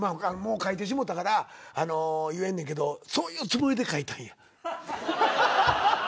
もう書いてしもたから言えんねんけどそういうつもりで書いたんや。